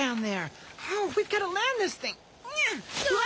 うわ！